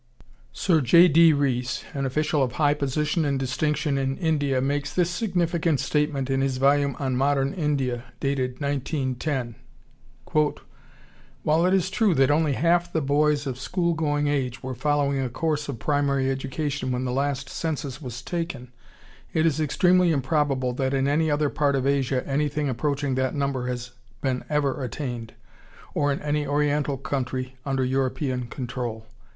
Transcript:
] Sir J. D. Rees, an official of high position and distinction in India, makes this significant statement in his volume on "Modern India," dated 1910 "While it is true that only half the boys of school going age were following a course of primary education when the last census was taken, it is extremely improbable that in any other part of Asia anything approaching that number has been ever attained, or in any Oriental country under European control."